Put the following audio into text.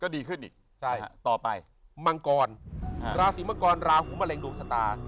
ดีขึ้นต่อไปมังกรราศิมังกรลาหุ้มะเร็งโดษตา